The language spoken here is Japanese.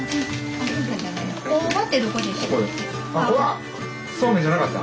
これはそうめんじゃなかった？